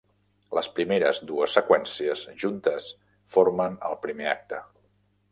Les primeres dues seqüències juntes formen el primer acte.